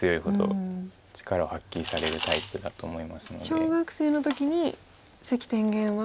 小学生の時に関天元は。